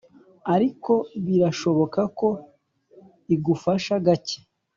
ariko birashoboka ko igufasha gake,